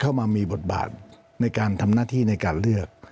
เข้ามามีบทบาทในการทำหน้าที่ในการเลือก